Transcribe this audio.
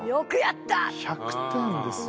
１００点ですよ。